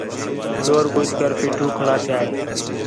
شور ٻُجھ کر پیٹھو کھڑا تِھیا ہِے